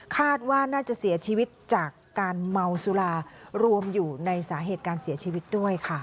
คาดว่าน่าจะเสียชีวิตจากการเมาสุรารวมอยู่ในสาเหตุการเสียชีวิตด้วยค่ะ